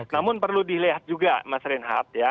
namun perlu dilihat juga mas reinhardt ya